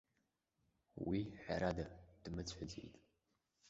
Уи, ҳәарада, дмыцәаӡеит.